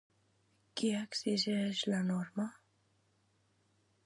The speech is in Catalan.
Què exigeix la norma?